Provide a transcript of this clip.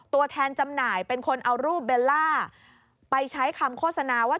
ตัวแทนจำหน่ายเป็นคนเอารูปเบลล่าไปใช้คำโฆษณาว่า